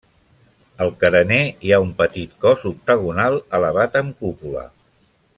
Al carener hi ha un petit cos octagonal elevat amb cúpula.